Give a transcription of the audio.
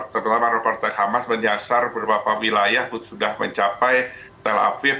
terutama reportek hamas menyasar beberapa wilayah pun sudah mencapai tel aviv